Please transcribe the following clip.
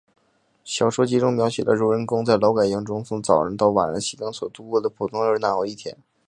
小说集中描写了主人公在劳改营中从早上起床到晚上熄灯所度过的普通而又难熬的一天。